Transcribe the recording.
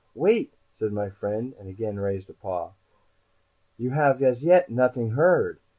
"Wait!" said my friend, and again raised a paw. "You have as yet not'ing heard.